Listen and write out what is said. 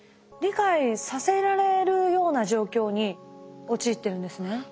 理解させられるような状況に陥ってるんですね。